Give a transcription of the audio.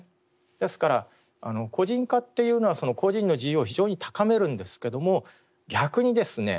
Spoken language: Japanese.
ですから個人化っていうのは個人の自由を非常に高めるんですけども逆にですね